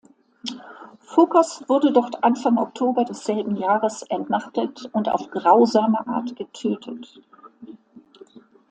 Phokas wurde dort Anfang Oktober desselben Jahres entmachtet und auf grausame Art getötet.